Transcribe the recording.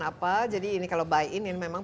apa jadi ini kalau buy in yang memang